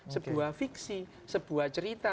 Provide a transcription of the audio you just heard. sebuah fiksi sebuah cerita